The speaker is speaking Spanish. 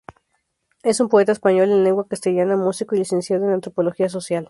Es un poeta español en lengua castellana, músico y licenciado en Antropología Social.